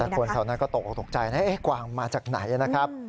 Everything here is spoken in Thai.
แต่คนเท่านั้นก็ตกตกตกใจเอ๊ะกวางมาจากไหนนะครับ